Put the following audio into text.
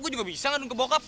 gue juga bisa ngandung ke bokap